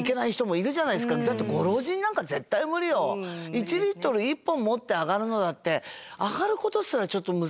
１リットル１本持って上がるのだって上がることすらちょっと難しい。